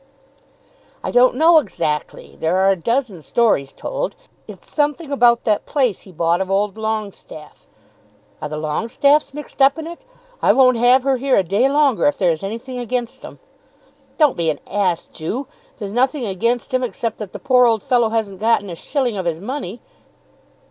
"I don't know exactly. There are a dozen stories told. It's something about that place he bought of old Longestaffe." "Are the Longestaffes mixed up in it? I won't have her here a day longer if there is anything against them." "Don't be an ass, Ju. There's nothing against him except that the poor old fellow hasn't got a shilling of his money."